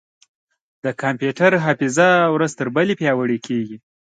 د کمپیوټر حافظه ورځ تر بلې پیاوړې کېږي.